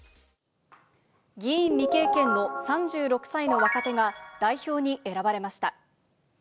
議員未経験の３６歳の若手が、代表に選ばれました。